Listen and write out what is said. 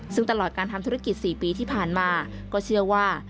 ซึ่งตลอดการทำธุรกิจ๔ปีที่ผ่านมาก็เชื่อว่า